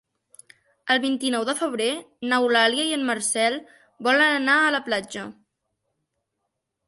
El vint-i-nou de febrer n'Eulàlia i en Marcel volen anar a la platja.